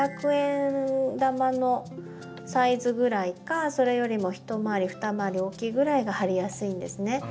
５００円玉のサイズぐらいかそれよりも一回り二回り大きいぐらいが張りやすいんですね。